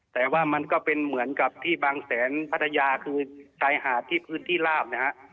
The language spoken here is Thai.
แต่ว่ามันก็เป็นเหมือนกับที่บางแสนพัทยาคือชายหาดที่พื้นที่ลาบนะฮะ